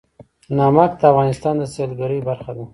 نمک د افغانستان د سیلګرۍ برخه ده.